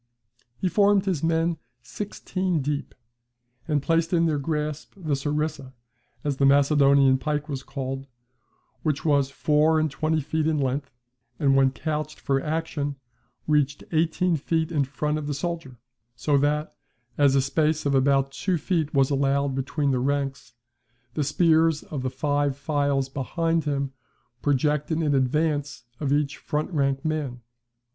[See Niebuhr's Hist. of Rome, iii. 488.] He formed his men sixteen deep, and placed in their grasp the SARISSA, as the Macedonian pike was called, which was four and twenty feet in length, and when couched for action, reached eighteen feet in front of the soldier: so that, as a space of about two feet was allowed between the ranks, the spears of the five files behind him projected in advance of each front rank man.